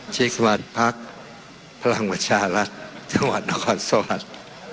ชีพสมัติภักดิ์พลังประชารัฐจังหวัดนครสวรรค์